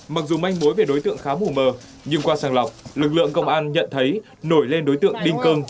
mặc dù manh mối về đối tượng khá mù mờ nhưng qua sàng lọc lực lượng công an nhận thấy nổi lên đối tượng đinh công